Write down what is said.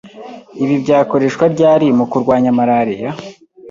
Ibi byakoreshwa ryari mu kurwanya malaria?